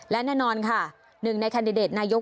และแน่นอนค่ะหนึ่งในแคนดิเดตนายก